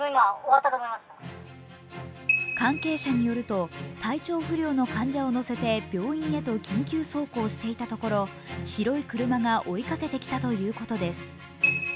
関係者によると、体調不良の患者を乗せて病院へと緊急走行していたところ、白い車が追いかけてきたということです。